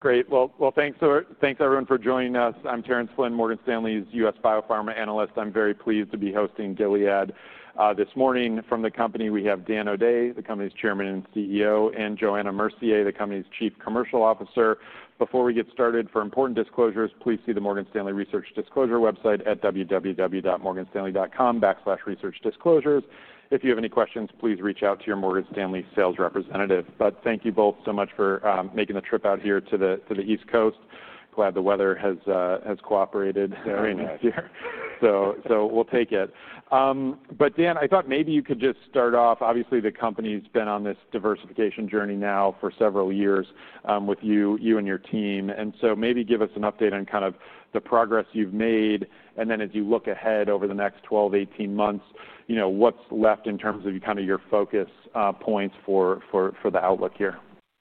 Great. Thank you everyone for joining us. I'm Terence Flynn, Morgan Stanley's U.S. biopharma analyst. I'm very pleased to be hosting Gilead this morning. From the company, we have Dan O’Day, the company's Chairman and CEO, and Johanna Mercier, the company's Chief Commercial Officer. Before we get started, for important disclosures, please see the Morgan Stanley research disclosure website at www.morganstanley.com/researchdisclosures. If you have any questions, please reach out to your Morgan Stanley sales representative. Thank you both so much for making the trip out here to the East Coast. Glad the weather has cooperated very nicely. We'll take it. Dan, I thought maybe you could just start off. Obviously, the company's been on this diversification journey now for several years with you and your team. Maybe give us an update on the progress you've made. As you look ahead over the next 12 to 18 months, what is left in terms of your focus points for the outlook here?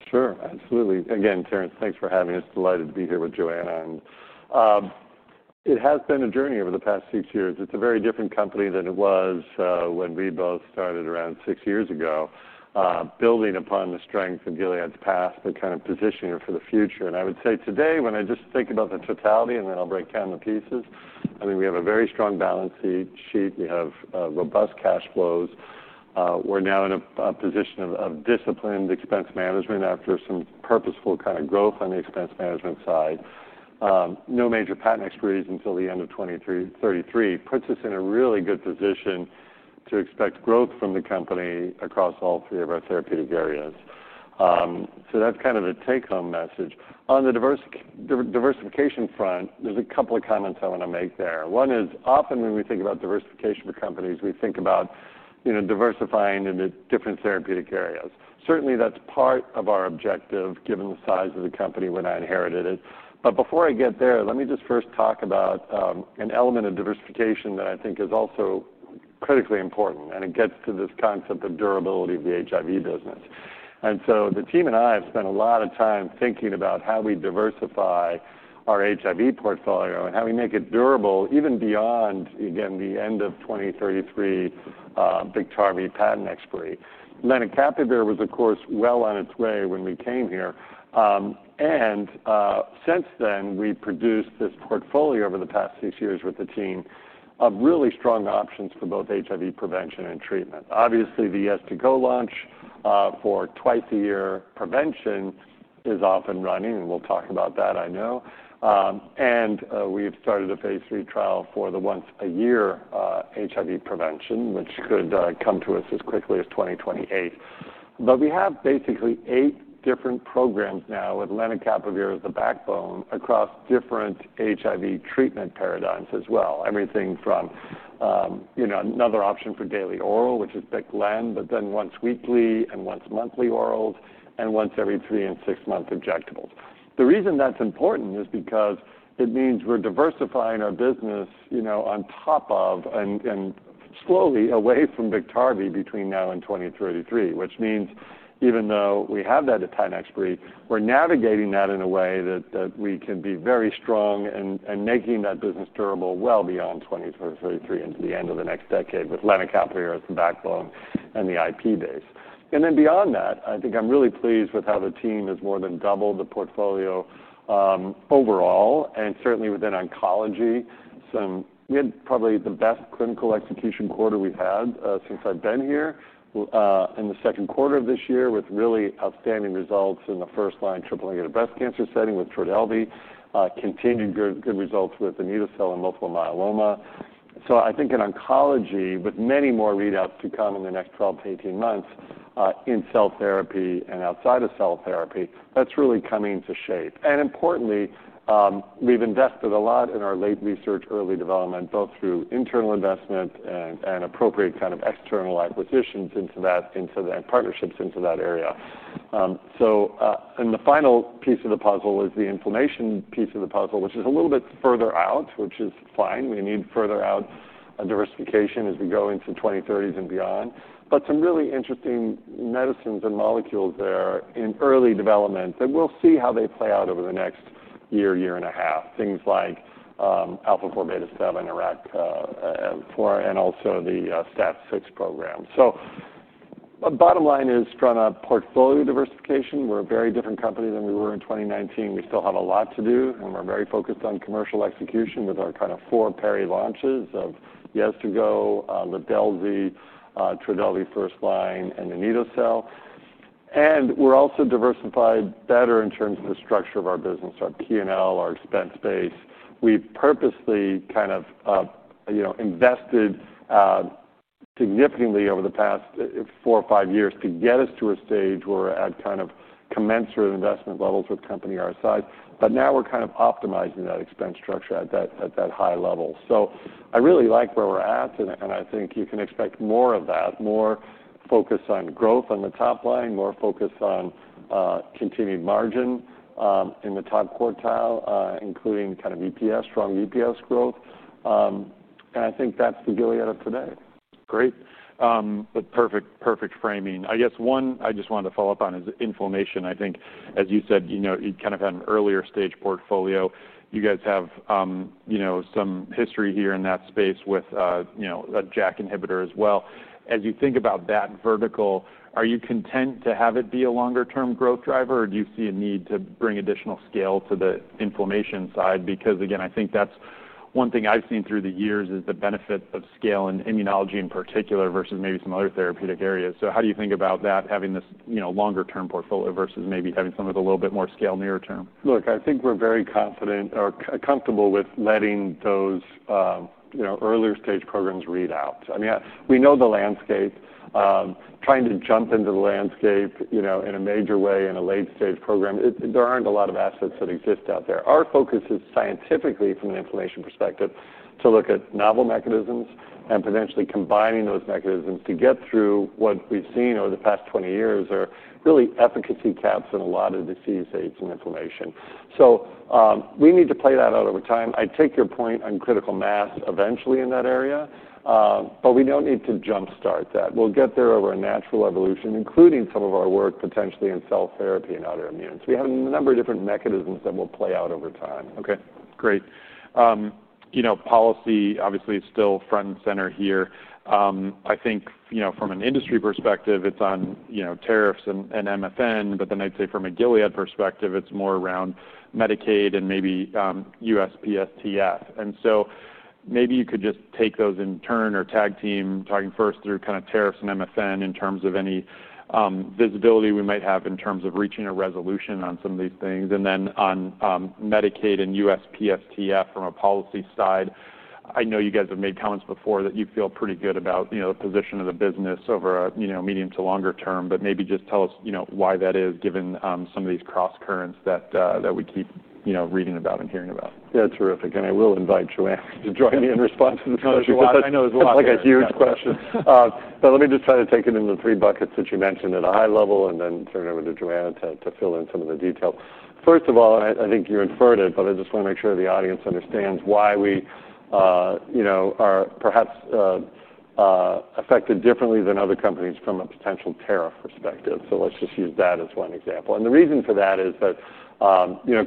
Sure, absolutely. Again, Terrence, thanks for having us. Delighted to be here with Johanna. It has been a journey over the past six years. It's a very different company than it was when we both started around six years ago, building upon the strength of Gilead's past, but kind of positioning it for the future. I would say today, when I just think about the totality and then I'll break down the pieces, I mean, we have a very strong balance sheet. We have robust cash flows. We're now in a position of disciplined expense management after some purposeful kind of growth on the expense management side. No major patent expirations until the end of 2033. Puts us in a really good position to expect growth from the company across all three of our therapeutic areas. That's kind of a take-home message. On the diversification front, there's a couple of comments I want to make there. One is often when we think about diversification for companies, we think about diversifying into different therapeutic areas. Certainly, that's part of our objective given the size of the company when I inherited it. Before I get there, let me just first talk about an element of diversification that I think is also critically important. It gets to this concept of durability of the HIV business. The team and I have spent a lot of time thinking about how we diversify our HIV portfolio and how we make it durable even beyond, again, the end of 2033, Biktarvy patent expiry. Lenacapavir was, of course, well on its way when we came here. Since then, we produced this portfolio over the past six years with the team of really strong options for both HIV prevention and treatment. Obviously, we have to go launch for twice a year prevention is off and running. We'll talk about that, I know. We've started a phase III trial for the once a year HIV prevention, which could come to us as quickly as 2028. We have basically eight different programs now with lenacapavir as the backbone across different HIV treatment paradigms as well. Everything from another option for daily oral, which is Biktarvy, but then once weekly and once monthly orals and once every three and six months injectables. The reason that's important is because it means we're diversifying our business on top of and slowly away from Biktarvy between now and 2033, which means even though we have that patent expiry, we're navigating that in a way that we can be very strong and making that business durable well beyond 2033 and the end of the next decade with lenacapavir as the backbone and the IP base. I think I'm really pleased with how the team has more than doubled the portfolio overall. Certainly within oncology, we had probably the best clinical execution quarter we've had since I've been here in the second quarter of this year with really outstanding results in the first-line triple-negative breast cancer setting with Trodelvy, continued good results with anito-cel in multiple myeloma. I think in oncology, with many more readouts to come in the next 12 to 18 months in cell therapy and outside of cell therapy, that's really coming to shape. Importantly, we've invested a lot in our late research, early development, both through internal investment and appropriate kind of external acquisitions and partnerships into that area. The final piece of the puzzle is the inflammation piece of the puzzle, which is a little bit further out, which is fine. We need further out a diversification as we go into 2030s and beyond. Some really interesting medicines and molecules there in early development that we'll see how they play out over the next year, year and a half. Things like Alpha4Beta7 and also the STAT6 program. Bottom line is from a portfolio diversification, we're a very different company than we were in 2019. We still have a lot to do and we're very focused on commercial execution with our kind of four peri-launches of Yeztugo, Trodelvy, Trodelvy first line, and anito-cel. We're also diversified better in terms of the structure of our business, our P&L, our expense base. We purposely kind of invested significantly over the past four or five years to get us to a stage where we're at kind of commensurate investment levels with company RSI. Now we're kind of optimizing that expense structure at that high level. I really like where we're at and I think you can expect more of that, more focus on growth on the top line, more focus on continued margin in the top quartile, including kind of EPS, strong EPS growth. I think that's the Gilead of today. Great. Perfect framing. I guess one I just wanted to follow up on is inflammation. I think, as you said, you kind of had an earlier stage portfolio. You guys have some history here in that space with a JAK inhibitor as well. As you think about that in vertical, are you content to have it be a longer-term growth driver or do you see a need to bring additional scale to the inflammation side? I think that's one thing I've seen through the years is the benefit of scale in immunology in particular versus maybe some other therapeutic areas. How do you think about that, having this longer-term portfolio versus maybe having some of the little bit more scale nearer term? Look, I think we're very confident or comfortable with letting those earlier stage programs read out. I mean, we know the landscape. Trying to jump into the landscape in a major way in a late stage program, there aren't a lot of assets that exist out there. Our focus is scientifically from an inflammation perspective to look at novel mechanisms and potentially combining those mechanisms to get through what we've seen over the past 20 years are really efficacy caps in a lot of the disease stage and inflammation. We need to play that out over time. I take your point on critical mass eventually in that area, but we don't need to jumpstart that. We'll get there over a natural evolution, including some of our work potentially in cell therapy and autoimmune. We have a number of different mechanisms that will play out over time. Okay, great. You know, policy obviously is still front and center here. I think from an industry perspective, it's on tariffs and MFN, but then I'd say from a Gilead Sciences perspective, it's more around Medicaid and maybe USPSTF. Maybe you could just take those in turn or tag team talking first through kind of tariffs and MFN in terms of any visibility we might have in terms of reaching a resolution on some of these things. On Medicaid and USPSTF from a policy side, I know you guys have made comments before that you feel pretty good about the position of the business over a medium to longer term, but maybe just tell us why that is given some of these cross-currents that we keep reading about and hearing about. Yeah, terrific. I will invite Johanna to join me in response to the questions. I know it's a huge question, but let me just try to take it into the three buckets that you mentioned at a high level and then turn it over to Johanna to fill in some of the detail. First of all, and I think you inferred it, I just want to make sure the audience understands why we are perhaps affected differently than other companies from a potential tariff perspective. Let's just use that as one example. The reason for that is that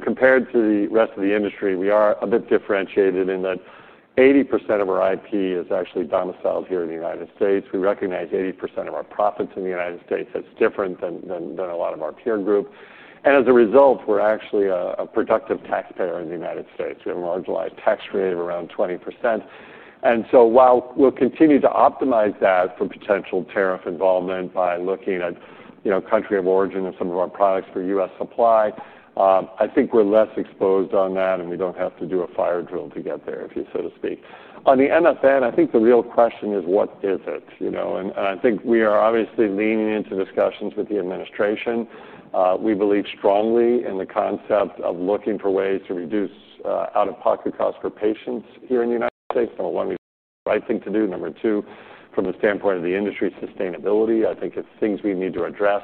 compared to the rest of the industry, we are a bit differentiated in that 80% of our IP is actually domiciled here in the U.S. We recognize 80% of our profits in the U.S., which is different than a lot of our peer group. As a result, we're actually a productive taxpayer in the U.S. We have a marginalized tax rate of around 20%. While we'll continue to optimize that for potential tariff involvement by looking at country of origin of some of our products for U.S. supply, I think we're less exposed on that and we don't have to do a fire drill to get there, if you so to speak. On the MFN, I think the real question is what is it? I think we are obviously leaning into discussions with the administration. We believe strongly in the concept of looking for ways to reduce out-of-pocket costs for patients here in the United States. Number one, we think it's the right thing to do. Number two, from the standpoint of the industry sustainability, I think it's things we need to address,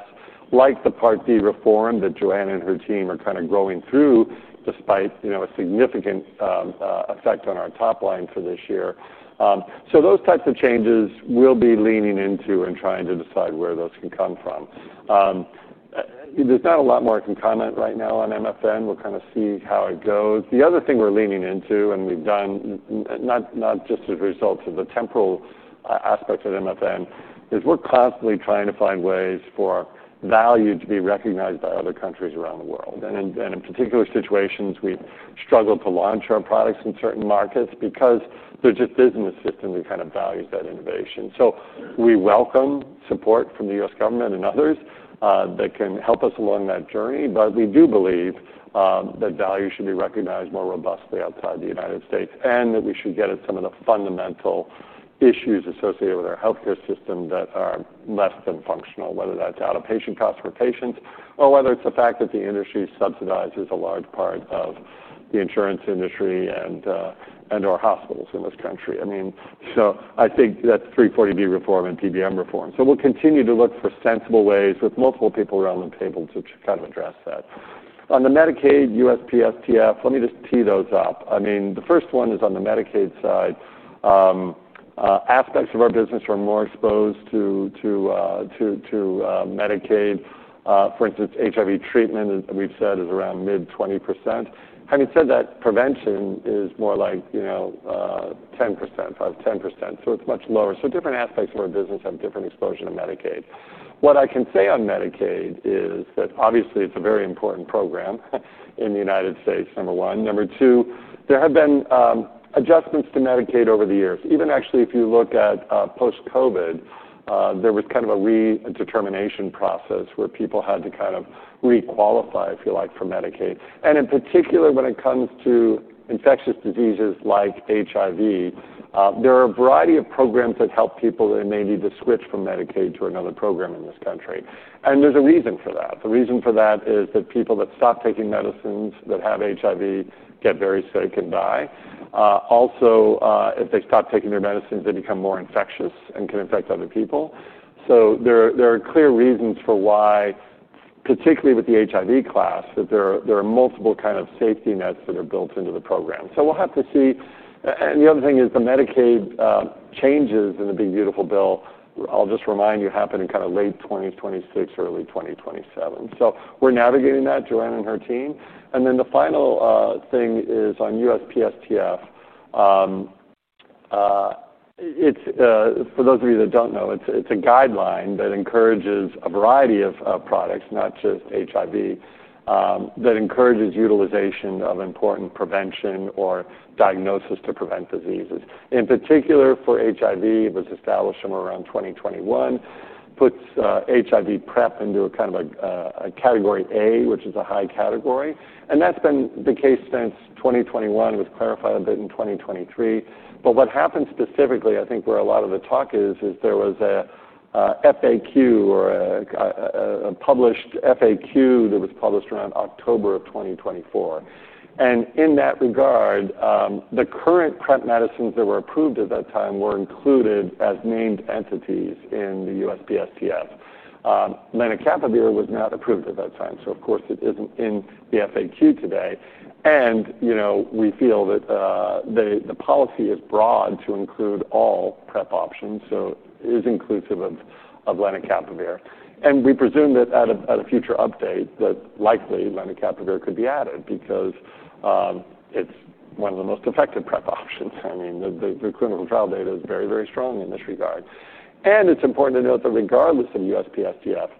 like the Part D reform that Johanna and her team are kind of going through despite a significant effect on our top line for this year. Those types of changes we'll be leaning into and trying to decide where those can come from. There's not a lot more I can comment right now on MFN. We'll kind of see how it goes. The other thing we're leaning into and we've done, not just as a result of the temporal aspect of MFN, is we're constantly trying to find ways for value to be recognized by other countries around the world. In particular situations, we've struggled to launch our products in certain markets because there's a business system that kind of values that innovation. We welcome support from the U.S. government and others that can help us along that journey. We do believe that value should be recognized more robustly outside the U.S. and that we should get at some of the fundamental issues associated with our healthcare system that are less than functional, whether that's out-of-patient costs for patients or whether it's the fact that the industry subsidizes a large part of the insurance industry and/or hospitals in this country. I think that's 340B reform and PBM reform. We'll continue to look for sensible ways with multiple people around the table to kind of address that. On the Medicaid, USPSTF, let me just tee those up. The first one is on the Medicaid side. Aspects of our business are more exposed to Medicaid. For instance, HIV treatment, we've said, is around mid-20%. Having said that, prevention is more like 10%, 5%-10%. It's much lower. Different aspects of our business have different exposure to Medicaid. What I can say on Medicaid is that obviously it's a very important program in the United States, number one. Number two, there have been adjustments to Medicaid over the years. Even actually, if you look at post-COVID, there was kind of a redetermination process where people had to kind of requalify, if you like, for Medicaid. In particular, when it comes to infectious diseases like HIV, there are a variety of programs that help people that may need to switch from Medicaid to another program in this country. There's a reason for that. The reason for that is that people that stop taking medicines that have HIV get very sick and die. Also, if they stop taking their medicines, they become more infectious and can infect other people. There are clear reasons for why, particularly with the HIV class, there are multiple kind of safety nets that are built into the program. We'll have to see. The other thing is the Medicaid changes in the Big Beautiful Bill, I'll just remind you, happen in kind of late 2026, early 2027. We're navigating that, Johanna and her team. The final thing is on USPSTF. For those of you that don't know, it's a guideline that encourages a variety of products, not just HIV, that encourages utilization of important prevention or diagnosis to prevent diseases. In particular, for HIV, it was established somewhere around 2021, puts HIV PrEP into a kind of a category A, which is a high category. That's been the case since 2021. It was clarified a bit in 2023. What happened specifically, I think where a lot of the talk is, is there was a FAQ or a published FAQ that was published around October of 2024. In that regard, the current PrEP medicines that were approved at that time were included as named entities in the USPSTF. Lenacapavir was not approved at that time, so of course, it isn't in the FAQ today. We feel that the policy is broad to include all PrEP options, so it is inclusive of lenacapavir. We presume that at a future update, that likely lenacapavir could be added because it's one of the most effective PrEP options. The clinical trial data is very, very strong in this regard. It's important to note that regardless of USPSTF,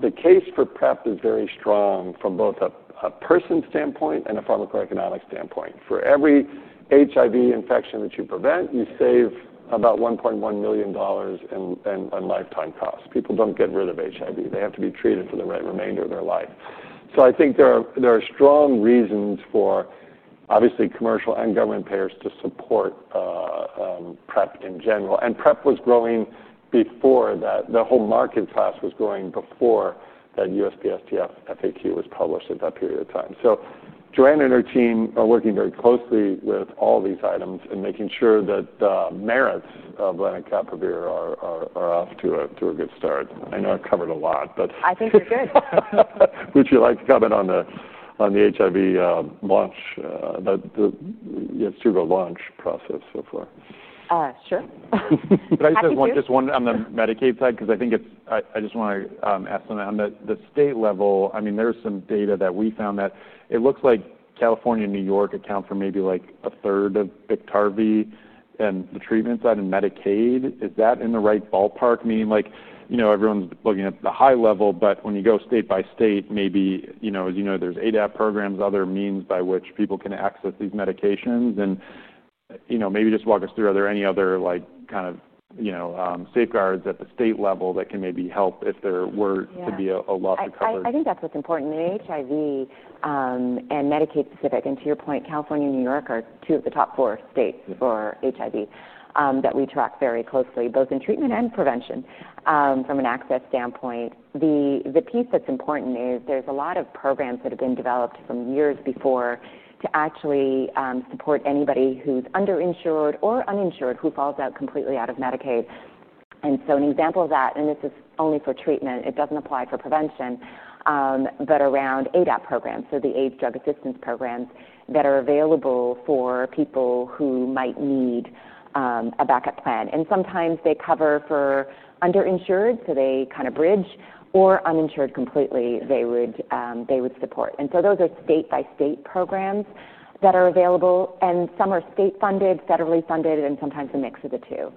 the case for PrEP is very strong from both a person standpoint and a pharmaco-economic standpoint. For every HIV infection that you prevent, you save about $1.1 million in lifetime costs. People don't get rid of HIV. They have to be treated for the remainder of their life. I think there are strong reasons for obviously commercial and government payers to support PrEP in general. PrEP was growing before that. The whole market class was growing before that USPSTF FAQ was published at that period of time. Johanna and her team are working very closely with all these items and making sure that the merits of lenacapavir are off to a good start. I know I covered a lot, but. I think you're good. Would you like to comment on the HIV launch, the Yeztugo launch process so far? Sure. I just wanted on the Medicaid side because I think it's, I just want to ask something on the state level. There's some data that we found that it looks like California and New York account for maybe like a third of Biktarvy and the treatment side in Medicaid. Is that in the right ballpark? Meaning like, you know, everyone's looking at the high level, but when you go state by state, maybe, you know, as you know, there's ADAP programs, other means by which people can access these medications. Maybe just walk us through, are there any other like kind of, you know, safeguards at the state level that can maybe help if there were to be a loss recovery? I think that's what's important. The HIV and Medicaid specific, and to your point, California and New York are two of the top four states for HIV that we track very closely, both in treatment and prevention. From an access standpoint, the piece that's important is there's a lot of programs that have been developed from years before to actually support anybody who's underinsured or uninsured who falls completely out of Medicaid. An example of that, and this is only for treatment, it doesn't apply for prevention, is around ADAP programs, so the AIDS Drug Assistance Programs that are available for people who might need a backup plan. Sometimes they cover for underinsured, so they kind of bridge, or uninsured completely, they would support. Those are state-by-state programs that are available, and some are state-funded, federally funded, and sometimes a mix of the two.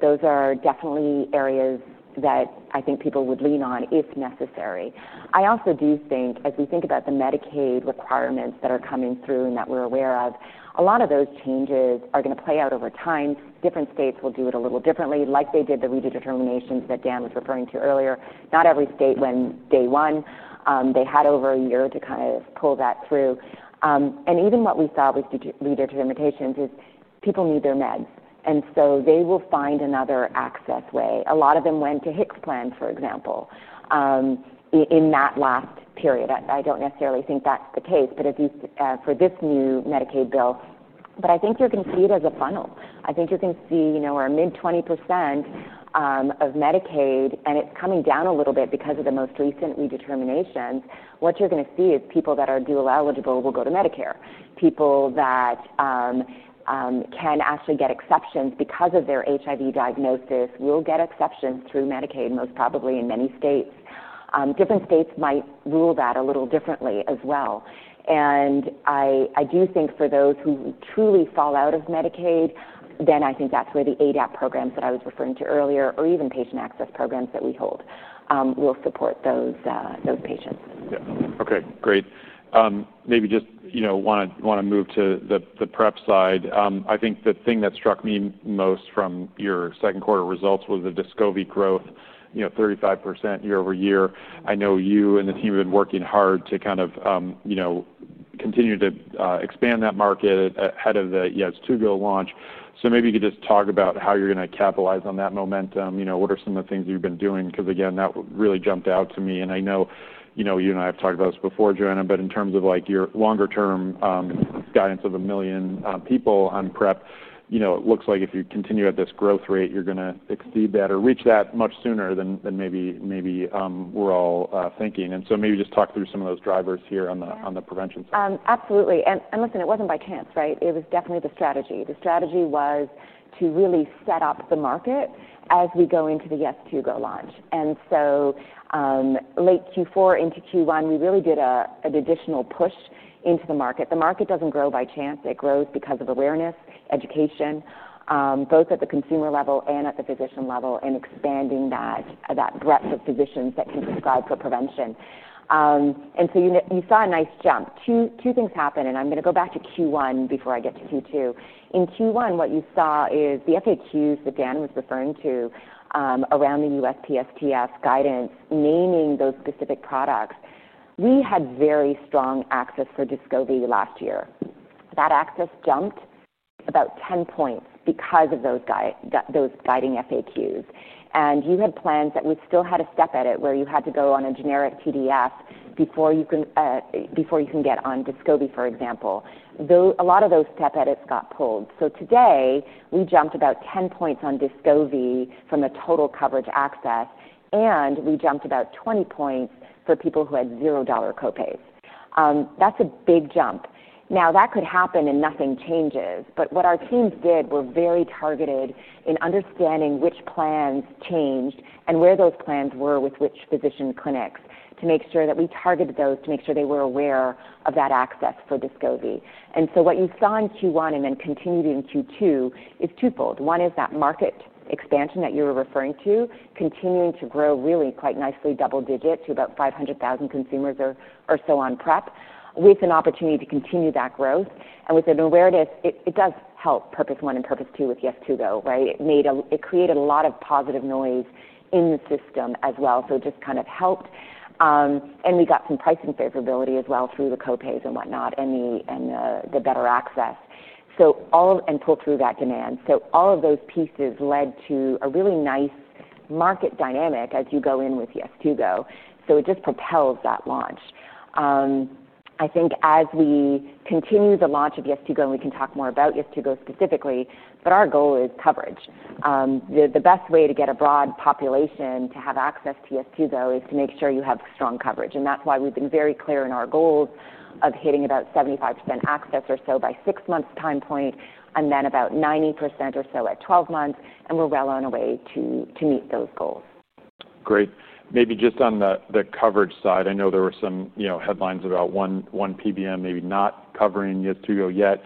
Those are definitely areas that I think people would lean on if necessary. I also do think, as we think about the Medicaid requirements that are coming through and that we're aware of, a lot of those changes are going to play out over time. Different states will do it a little differently, like they did the redeterminations that Dan was referring to earlier. Not every state went day one. They had over a year to kind of pull that through. Even what we saw with redeterminations is people need their meds, and they will find another access way. A lot of them went to HIX plan, for example, in that last period. I don't necessarily think that's the case for this new Medicaid bill, but I think you're going to see it as a funnel. I think you're going to see, you know, our mid-20% of Medicaid, and it's coming down a little bit because of the most recent redeterminations. What you're going to see is people that are dual eligible will go to Medicare. People that can actually get exceptions because of their HIV diagnosis will get exceptions through Medicaid, most probably in many states. Different states might rule that a little differently as well. I do think for those who truly fall out of Medicaid, then I think that's where the ADAP programs that I was referring to earlier, or even patient access programs that we hold, will support those patients. Okay, great. Maybe just want to move to the PrEP side. I think the thing that struck me most from your second quarter results was the Descovy growth, you know, 35% year-over-year. I know you and the team have been working hard to kind of, you know, continue to expand that market ahead of the Yeztugo launch. Maybe you could just talk about how you're going to capitalize on that momentum. What are some of the things you've been doing? That really jumped out to me. I know you and I have talked about this before, Johanna, but in terms of like your longer-term guidance of a million people on PrEP, it looks like if you continue at this growth rate, you're going to exceed that or reach that much sooner than maybe we're all thinking. Maybe just talk through some of those drivers here on the prevention side. Absolutely. It wasn't by chance, right? It was definitely the strategy. The strategy was to really set up the market as we go into the Yeztugo launch. Late Q4 into Q1, we really did an additional push into the market. The market doesn't grow by chance. It grows because of awareness, education, both at the consumer level and at the physician level, and expanding that breadth of physicians that can prescribe for prevention. You saw a nice jump. Two things happened, and I'm going to go back to Q1 before I get to Q2. In Q1, what you saw is the FAQs that Dan was referring to around the USPSTF guidance, naming those specific products. We had very strong access for Descovy last year. That access jumped about 10 points because of those guiding FAQs. You had plans that we still had a step edit where you had to go on a generic TDF before you can get on Descovy, for example. A lot of those step edits got pulled. Today, we jumped about 10 points on Descovy from a total coverage access, and we jumped about 20 points for people who had $0 copays. That's a big jump. That could happen and nothing changes, but what our teams did were very targeted in understanding which plans changed and where those plans were with which physician clinics to make sure that we targeted those to make sure they were aware of that access for Descovy. What you saw in Q1 and then continued in Q2 is twofold. One is that market expansion that you were referring to, continuing to grow really quite nicely, double digit to about 500,000 consumers or so on PrEP, with an opportunity to continue that growth. With an awareness, it does help Purpose 1 and Purpose 2 with Yeztugo, right? It created a lot of positive noise in the system as well. It just kind of helped. We got some pricing favorability as well through the copays and whatnot and the better access. All and pulled through that demand. All of those pieces led to a really nice market dynamic as you go in with Yeztugo. It just propelled that launch. I think as we continue the launch of Yeztugo, and we can talk more about Yeztugo specifically, our goal is coverage. The best way to get a broad population to have access to Yeztugo is to make sure you have strong coverage. That's why we've been very clear in our goals of hitting about 75% access or so by six months' time point, and then about 90% or so at 12 months. We're well on our way to meet those goals. Great. Maybe just on the coverage side, I know there were some headlines about one PBM maybe not covering Yeztugo yet.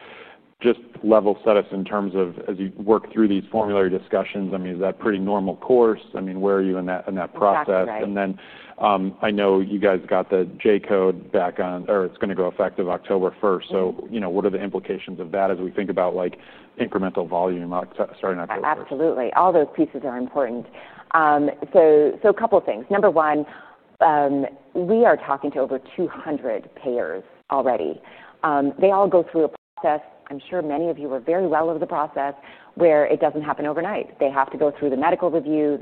Just level set us in terms of, as you work through these formulary discussions, is that pretty normal course? Where are you in that process? I know you guys got the J-code back on, or it's going to go effective October 1st. What are the implications of that as we think about incremental volume starting October 1? Absolutely. All those pieces are important. A couple of things. Number one, we are talking to over 200 payers already. They all go through a process. I'm sure many of you are very well aware of the process where it doesn't happen overnight. They have to go through the medical review.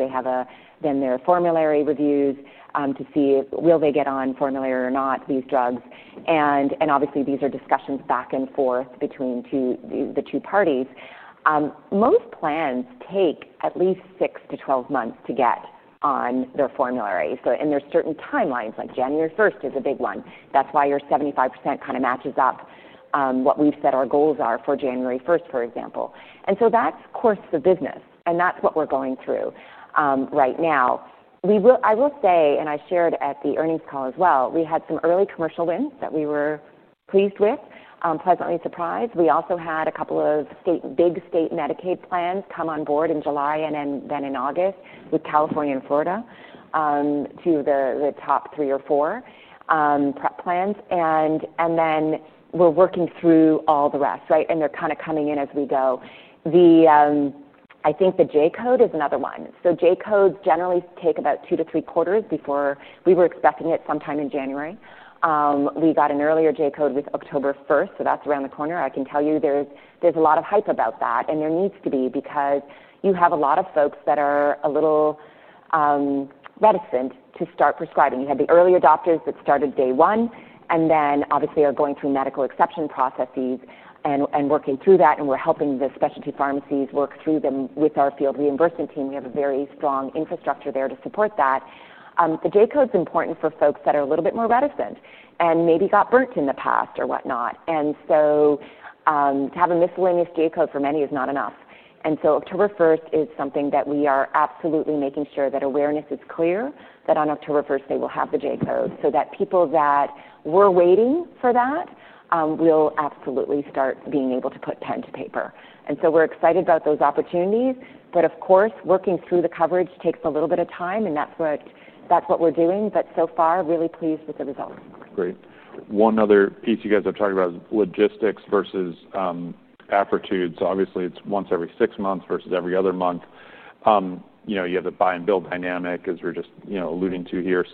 Then their formulary reviews to see will they get on formulary or not, these drugs. Obviously, these are discussions back and forth between the two parties. Most plans take at least six to 12 months to get on their formulary. There are certain timelines, like January 1st is a big one. That's why your 75% kind of matches up with what we've said our goals are for January 1st, for example. That's course for business, and that's what we're going through right now. I will say, and I shared at the earnings call as well, we had some early commercial wins that we were pleased with, pleasantly surprised. We also had a couple of big state Medicaid plans come on board in July and then in August with California and Florida, two of the top three or four PrEP plans. We're working through all the rest, right? They're kind of coming in as we go. I think the J-code is another one. J-codes generally take about two to three quarters before. We were expecting it sometime in January. We got an earlier J-code with October 1st, so that's around the corner. I can tell you there's a lot of hype about that, and there needs to be because you have a lot of folks that are a little reticent to start prescribing. You have the early adopters that started day one, and obviously are going through medical exception processes and working through that. We're helping the specialty pharmacies work through them with our field reimbursement team. We have a very strong infrastructure there to support that. The J-code is important for folks that are a little bit more reticent and maybe got burnt in the past or whatnot. To have a miscellaneous J-code for many is not enough. October 1st is something that we are absolutely making sure that awareness is clear that on October 1st, they will have the J-code so that people that were waiting for that will absolutely start being able to put pen to paper. We're excited about those opportunities. Of course, working through the coverage takes a little bit of time, and that's what we're doing. So far, really pleased with the results. Great. One other piece you guys are talking about is logistics versus [bifurcated]. Obviously, it's once every six months versus every other month. You have the buy and bill dynamic, as we're just alluding to here.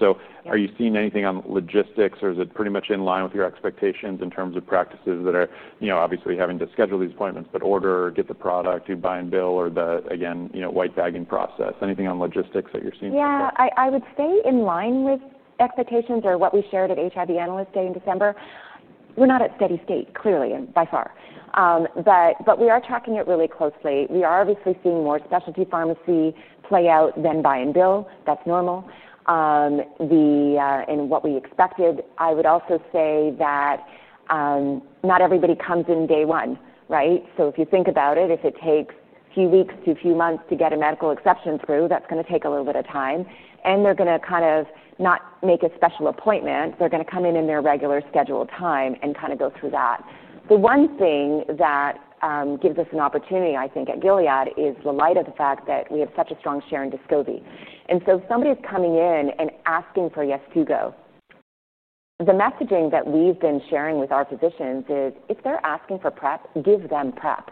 Are you seeing anything on logistics, or is it pretty much in line with your expectations in terms of practices that are obviously having to schedule these appointments, order, get the product, do buy and bill, or the, again, white bagging process? Anything on logistics that you're seeing? Yeah, I would say in line with expectations or what we shared at HIV Analyst Day in December. We're not at steady state, clearly, and by far. We are tracking it really closely. We are obviously seeing more specialty pharmacy play out than buy and bill. That's normal and what we expected. I would also say that not everybody comes in day one, right? If you think about it, if it takes a few weeks to a few months to get a medical exception through, that's going to take a little bit of time. They're not going to make a special appointment. They're going to come in in their regular scheduled time and go through that. The one thing that gives us an opportunity, I think, at Gilead is the light of the fact that we have such a strong share in Descovy. If somebody is coming in and asking for Yeztugo, the messaging that we've been sharing with our physicians is if they're asking for PrEP, give them PrEP,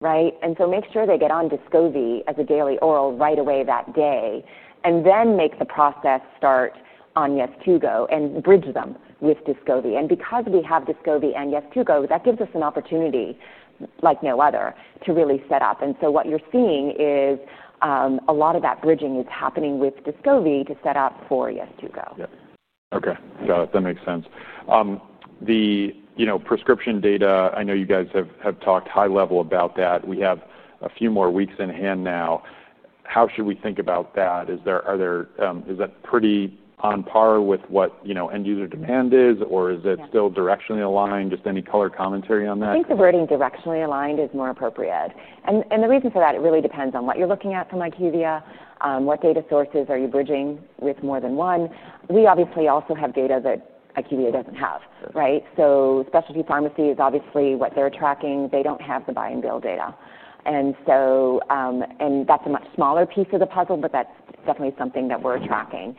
right? Make sure they get on Descovy as a daily oral right away that day and then make the process start on Yeztugo and bridge them with Descovy. Because we have Descovy and Yeztugo, that gives us an opportunity like no other to really set up. What you're seeing is a lot of that bridging is happening with Descovy to set up for Yeztugo. Okay, got it. That makes sense. The prescription data, I know you guys have talked high level about that. We have a few more weeks in hand now. How should we think about that? Is that pretty on par with what end user demand is, or is it still directionally aligned? Just any color commentary on that? I think the wording directionally aligned is more appropriate. The reason for that, it really depends on what you're looking at from IQVIA. What data sources are you bridging with more than one? We obviously also have data that IQVIA doesn't have, right? Specialty pharmacies, obviously what they're tracking, they don't have the buy and bill data. That's a much smaller piece of the puzzle, but that's definitely something that we're tracking.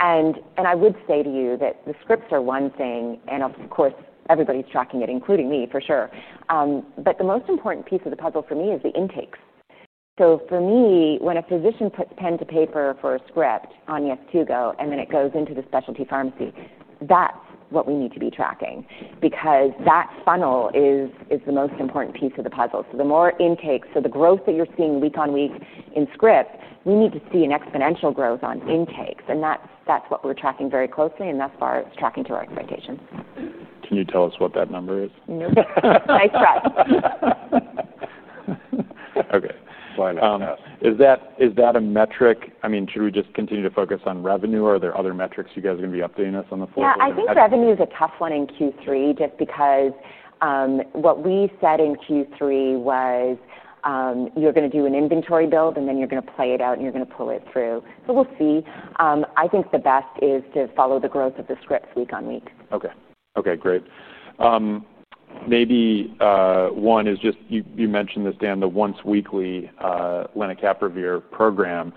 I would say to you that the scripts are one thing, and of course, everybody's tracking it, including me, for sure. The most important piece of the puzzle for me is the intakes. For me, when a physician puts pen to paper for a script on Yeztugo, and then it goes into the specialty pharmacy, that's what we need to be tracking because that funnel is the most important piece of the puzzle. The more intakes, the growth that you're seeing week on week in scripts, we need to see an exponential growth on intakes. That's what we're tracking very closely, and thus far it's tracking to our expectations. Can you tell us what that number is? Nope. Nice try. Okay. Why not? Is that a metric? I mean, should we just continue to focus on revenue? Are there other metrics you guys are going to be updating us on the floor? Yeah, I think revenue is a tough one in Q3 just because what we said in Q3 was you're going to do an inventory build and then you're going to play it out and you're going to pull it through. We'll see. I think the best is to follow the growth of the scripts week on week. Okay, great. Maybe one is just, you mentioned this, Dan, the once weekly lenacapavir program.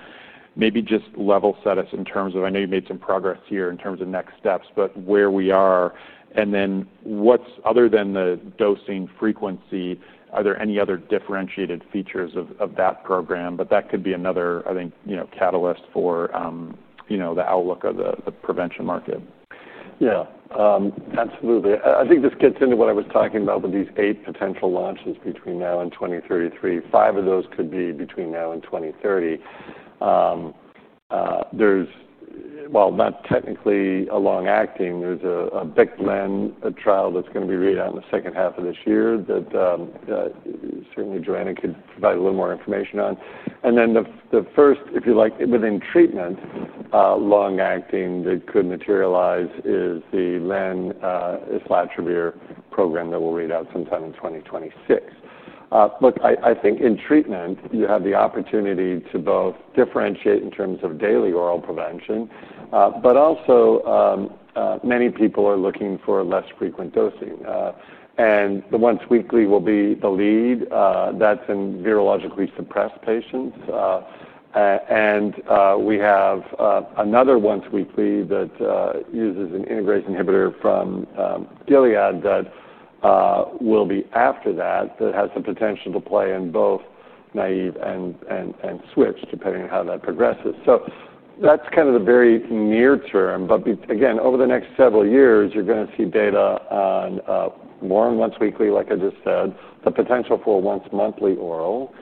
Maybe just level set us in terms of, I know you made some progress here in terms of next steps, but where we are, and then what's, other than the dosing frequency, are there any other differentiated features of that program? That could be another, I think, catalyst for the outlook of the prevention market. Yeah, absolutely. I think this gets into what I was talking about with these eight potential launches between now and 2033. Five of those could be between now and 2030. There's, not technically a long-acting, there's a Biktarvy trial that's going to be read out in the second half of this year that certainly Johanna could provide a little more information on. The first, if you like, within treatment, long-acting that could materialize is the lenacapavir program that we'll read out sometime in 2026. I think in treatment, you have the opportunity to both differentiate in terms of daily oral prevention, but also many people are looking for less frequent dosing. The once weekly will be the lead. That's in virologically suppressed patients. We have another once weekly that uses an integrase inhibitor from Gilead that will be after that, that has the potential to play in both NAIVE and SWITCH depending on how that progresses. That's kind of the very near term. Over the next several years, you're going to see data on more once weekly, like I just said, the potential for once monthly oral,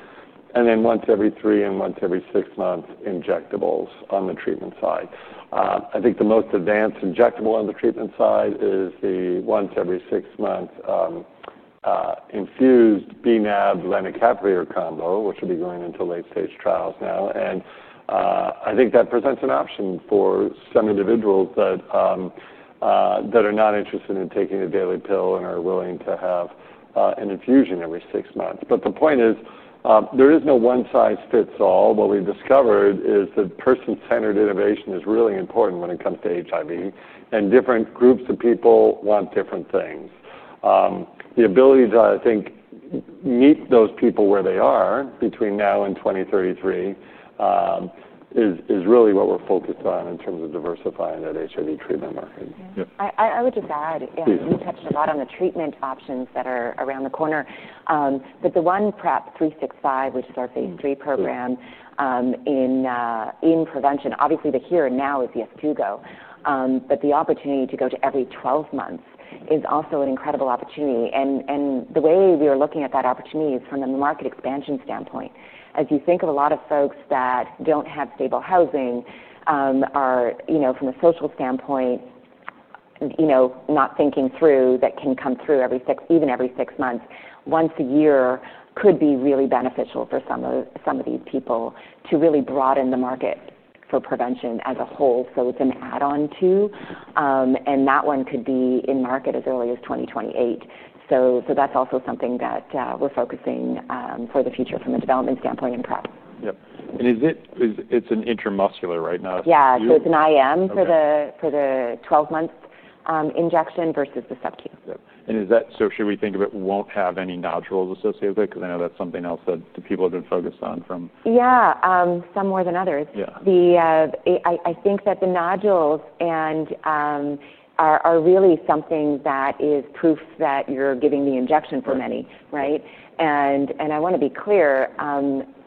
and then once every three and once every six months injectables on the treatment side. I think the most advanced injectable on the treatment side is the once every six months infused bNAb lenacapavir combo, which will be going into late stage trials now. I think that presents an option for some individuals that are not interested in taking a daily pill and are willing to have an infusion every six months. The point is, there is no one size fits all. What we've discovered is that person-centered innovation is really important when it comes to HIV. Different groups of people want different things. The ability to, I think, meet those people where they are between now and 2033 is really what we're focused on in terms of diversifying that HIV treatment market. I would just add, we touched a lot on the treatment options that are around the corner. The one, PrEP 365, which is our phase III program in prevention, obviously the here and now is Yeztugo. The opportunity to go to every 12 months is also an incredible opportunity. The way we are looking at that opportunity is from a market expansion standpoint. As you think of a lot of folks that don't have stable housing, are, you know, from a social standpoint, not thinking through that can come through every six, even every six months, once a year could be really beneficial for some of these people to really broaden the market for prevention as a whole. It's an add-on to, and that one could be in market as early as 2028. That's also something that we're focusing for the future from a development standpoint in PrEP. Yeah, is it, it's an intramuscular, right? Yeah. It's an IM for the 12-month injection versus the sub-Q. Yeah. Should we think of it, won't have any nodules associated with it? I know that's something else that people have been focused on. Yeah, some more than others. I think that the nodules are really something that is proof that you're giving the injection for many, right? I want to be clear,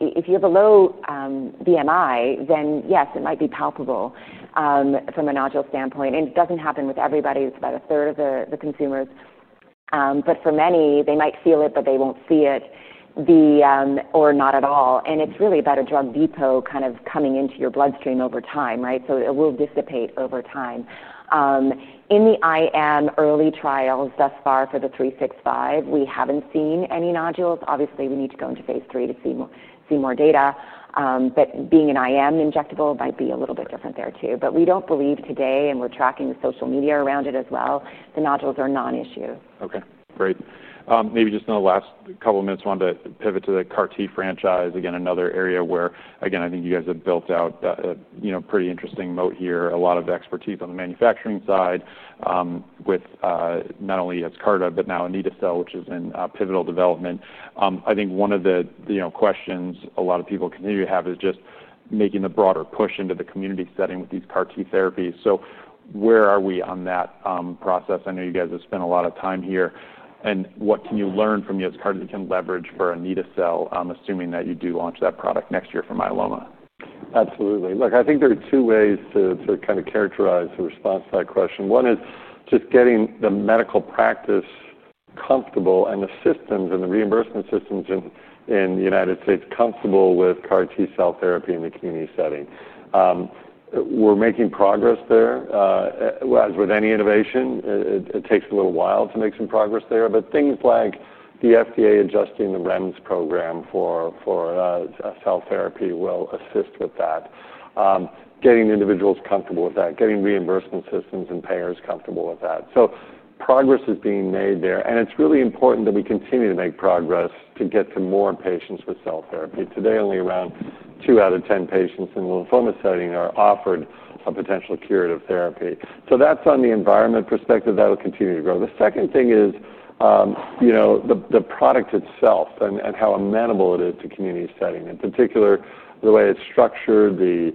if you have a low BMI, then yes, it might be palpable from a nodule standpoint. It doesn't happen with everybody. It's about a third of the consumers. For many, they might feel it, but they won't see it or not at all. It's really about a drug depot kind of coming into your bloodstream over time, right? It will dissipate over time. In the IM early trials thus far for the 365, we haven't seen any nodules. Obviously, we need to go into phase III to see more data. Being an IM injectable might be a little bit different there too. We don't believe today, and we're tracking the social media around it as well, the nodules are non-issue. Okay, great. Maybe just in the last couple of minutes, I wanted to pivot to the CAR T franchise. Again, another area where I think you guys have built out a pretty interesting moat here. A lot of the expertise on the manufacturing side with not only Yescarta, but now anito-cel, which is in pivotal development. I think one of the questions a lot of people continue to have is just making the broader push into the community setting with these CAR T therapies. Where are we on that process? I know you guys have spent a lot of time here. What can you learn from Yescarta that you can leverage for anito-cel, assuming that you do launch that product next year for myeloma? Absolutely. Look, I think there are two ways to kind of characterize the response to that question. One is just getting the medical practice comfortable and the systems and the reimbursement systems in the United States comfortable with CAR T-cell therapy in the community setting. We're making progress there. As with any innovation, it takes a little while to make some progress there. Things like the FDA adjusting the REMS program for cell therapy will assist with that. Getting individuals comfortable with that, getting reimbursement systems and payers comfortable with that. Progress is being made there. It's really important that we continue to make progress to get to more patients with cell therapy. Today, only around two out of 10 patients in the lymphoma setting are offered a potential curative therapy. That's on the environment perspective that will continue to grow. The second thing is, you know, the product itself and how amenable it is to community setting. In particular, the way it's structured, the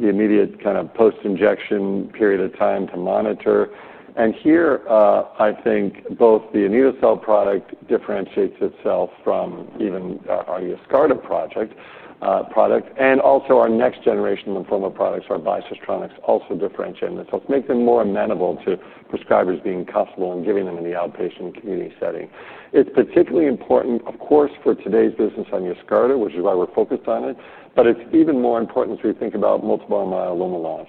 immediate kind of post-injection period of time to monitor. Here, I think both the anito-cel product differentiates itself from even our Yescarta product. Also, our next generation lymphoma products, our bispecifics, also differentiate themselves, make them more amenable to prescribers being comfortable and giving them in the outpatient community setting. It's particularly important, of course, for today's business on Yescarta, which is why we're focused on it. It's even more important as we think about multiple myeloma launch.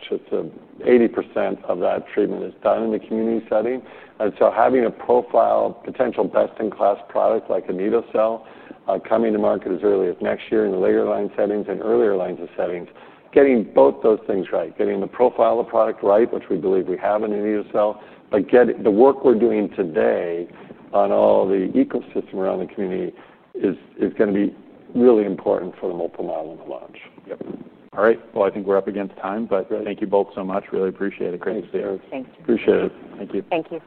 80% of that treatment is done in the community setting. Having a profile, potential best-in-class product like anito-cel are coming to market as early as next year in the later line settings and earlier lines of settings, getting both those things right, getting the profile of the product right, which we believe we have in anito-cel. The work we're doing today on all the ecosystem around the community is going to be really important for the multiple myeloma launch. All right. I think we're up against time, but thank you both so much. Really appreciate it. Great to see you. Thanks. Appreciate it. Thank you. Thank you.